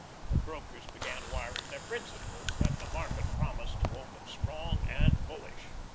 The brokers began wiring their principals that the market promised to open strong and bullish.